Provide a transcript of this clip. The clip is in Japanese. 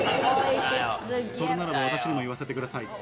それならば私にも言わせてください。